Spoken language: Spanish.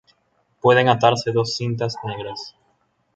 Pueden atarse dos cintas negras.